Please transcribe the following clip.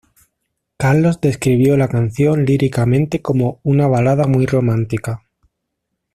Carlos describió la canción líricamente como "una balada muy romántica".